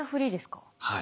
はい。